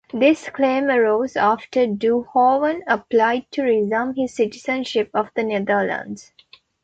This claim arose after Duynhoven applied to resume his citizenship of the Netherlands.